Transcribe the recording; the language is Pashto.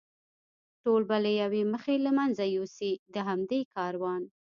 ټول به له یوې مخې له منځه یوسي، د همدې کاروان.